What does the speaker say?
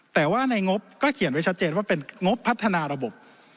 แต่ว่าในงบก็เขียนไว้ชัดเจนว่าเป็นงบพัฒนาระบบ